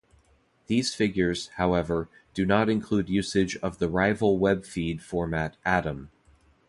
These figures, however, do not include usage of the rival web feed format Atom.